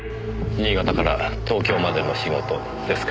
新潟から東京までの仕事ですか。